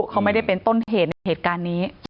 เขาไม่ได้เป็นต้นเหตุในเหตุการณ์นี้